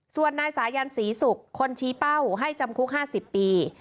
ส่วนนายสายันศรีศุกร์คนชี้เป้าให้จำคุก๕๐ปี